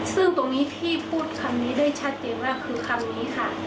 ซึ่งตรงนี้พี่พูดคำนี้ได้ชัดเจนว่าคือคำนี้ค่ะ